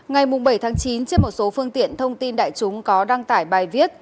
ngày bảy chín trên một số phương tiện thông tin đại chúng có đăng tải bài viết